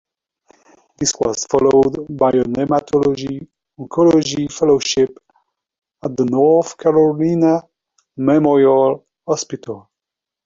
This was followed by a Hematology-Oncology fellowship at the North Carolina Memorial Hospital.